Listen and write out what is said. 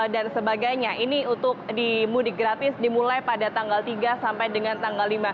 dan sebagainya ini untuk di mudik gratis dimulai pada tanggal tiga sampai dengan tanggal lima